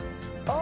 あ！